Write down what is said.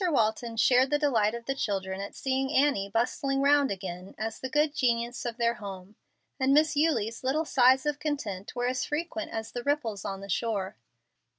Walton shared the delight of the children at seeing Annie bustling round again as the good genius of their home, and Miss Eulie's little sighs of content were as frequent as the ripples on the shore.